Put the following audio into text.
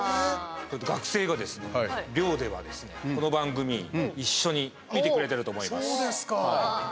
学生が寮では、この番組一緒に見てくれてると思います。